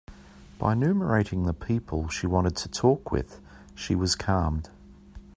By enumerating the people she wanted to talk with, she was calmed.